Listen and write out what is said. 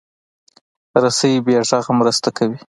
رسۍ بې غږه مرسته کوي.